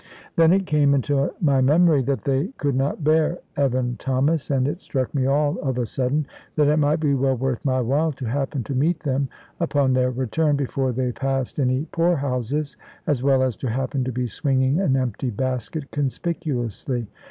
Then it came into my memory that they could not bear Evan Thomas, and it struck me all of a sudden that it might be well worth my while to happen to meet them upon their return, before they passed any poor houses, as well as to happen to be swinging an empty basket conspicuously.